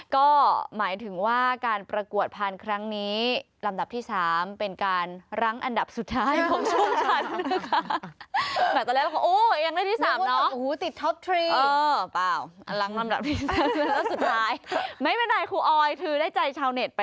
ก็หมายถึงว่าการประกวดพานครั้งนี้ลำดับที่๓เป็นการรั้งอันดับสุดท้ายของชาติ